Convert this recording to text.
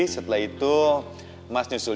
setelah itu mas nyusul